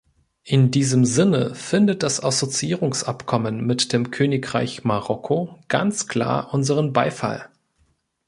In diesem Sinne findet das Assoziierungsabkommen mit dem Königreich Marokko ganz klar unseren Beifall.